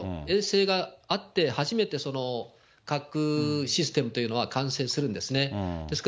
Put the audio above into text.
衛星があって、初めて核システムというのは完成するんですね。